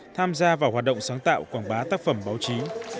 tham gia vào hoạt động sáng tạo quảng bá tác phẩm báo chí